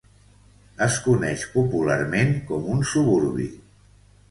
Es coneix popularment com un suburbi.